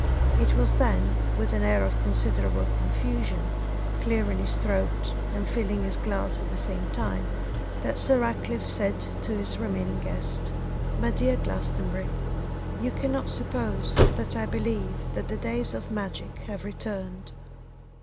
It was then, with an air of considerable confusion, clearing his throat, and filling his glass at the same time, that Sir Ratcliffe said to his remaining guest, 'My dear Glastonbury, you cannot suppose that I believe that the days of magic have returned.